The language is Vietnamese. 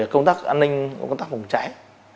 các an ninh cũng có tác phục cháy